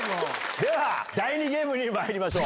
では第２ゲームにまいりましょう。